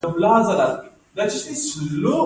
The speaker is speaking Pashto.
د خربوزو حاصلات په اوړي کې وي.